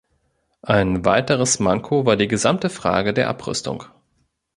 Ein weiteres Manko war die gesamte Frage der Abrüstung.